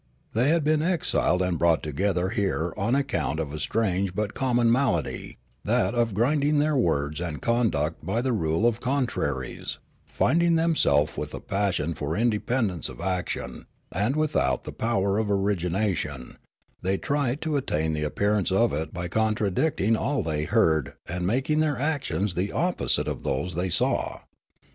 They had been exiled and brought together here on account of a strange but common malady, that of guiding their words and conduct by the rule of contraries ; finding themselves with a passion for independence of action, and without the power of origination, they tried to at tain the appearance of it by contradicting all they heard and making their actions the opposite of those they saw.